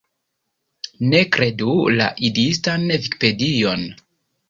Ne kredu la Idistan Vikipedion!